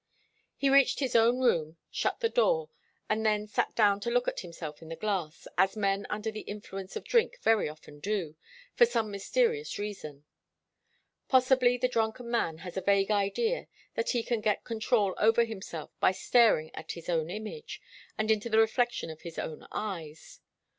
He reached his own room, shut the door, and then sat down to look at himself in the glass, as men under the influence of drink very often do, for some mysterious reason. Possibly the drunken man has a vague idea that he can get control over himself by staring at his own image, and into the reflection of his own eyes.